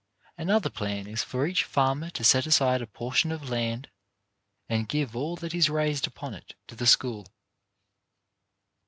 Another plan is for each farmer to set aside a por tion of land and give all that is raised upon it to the school.